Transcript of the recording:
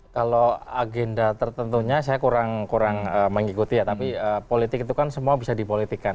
kalau agenda tertentunya saya kurang kurang mengikuti ya tapi politik itu kan semua bisa dipolitikan